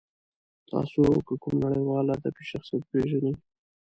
تاسې که کوم نړیوال ادبي شخصیت پېژنئ.